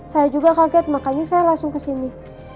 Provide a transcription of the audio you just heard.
saya juga kaget makanya saya langsung kesini